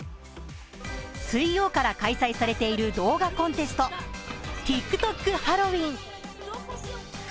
水曜から開催されている動画コンテスト、「＃ＴｉｋＴｏｋハロウィーン」